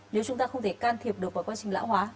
nếu chúng ta không thể can thiệp được vào quá trình lão hóa